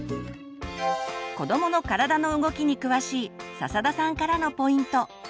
子どもの体の動きに詳しい笹田さんからのポイント。